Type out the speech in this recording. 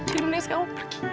winona saya mau pergi